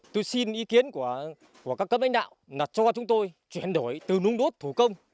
tôi xin ý kiến của các cấp đánh đạo là cho chúng tôi chuyển đổi từ nung đốt thủ công